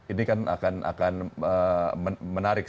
ini kan akan menarik